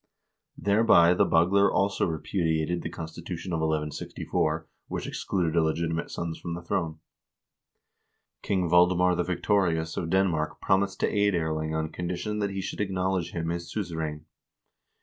Thereby the Bagler also repudiated the constitution of 1164, which excluded illegitimate sons from the throne. King Valdemar the Victorious of Denmark promised to aid Erling on condition that he should acknowledge him his suzerain.